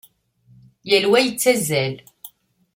Yal wa yettazzal.